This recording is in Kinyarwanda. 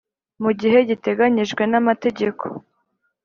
mu gihe giteganyijwe n amategeko